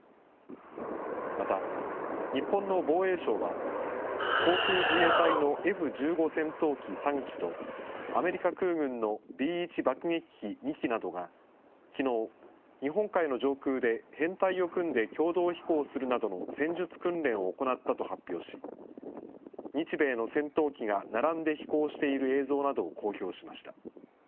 また、日本の防衛省は、航空自衛隊のＦ１５戦闘機３機とアメリカ空軍のＢ１爆撃機２機などがきのう、日本海の上空で編隊を組んで共同飛行するなどの戦術訓練を行ったと発表し、日米の戦闘機が並んで飛行している映像などを公表しました。